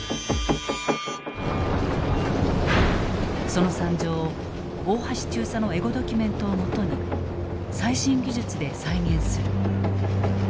その惨状を大橋中佐のエゴドキュメントをもとに最新技術で再現する。